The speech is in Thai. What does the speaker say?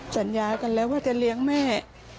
สัญญากันแล้วว่าจะเลี้ยงแม่